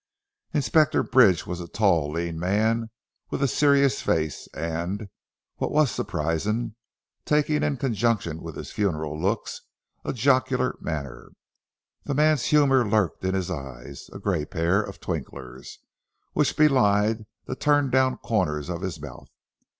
Inspector Bridge was a tall lean man with a serious face, and what was surprising taken in conjunction with his funereal looks a jocular manner. The man's humour lurked in his eyes a grey pair of twinklers, which belied the turned down corners of his mouth.